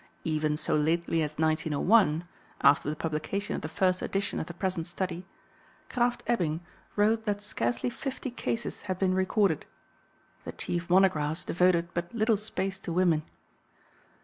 Even so lately as 1901 (after the publication of the first edition of the present Study), Krafft Ebing wrote that scarcely fifty cases had been recorded. The chief monographs devoted but little space to women.